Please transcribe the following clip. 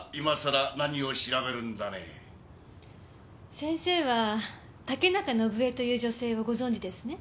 先生は竹中伸枝という女性をご存じですね？